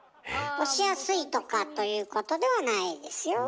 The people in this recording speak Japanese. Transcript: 押しやすいとかということではないですよ。